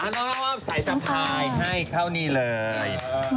น้องใส่สะพายให้เท่านี้เลย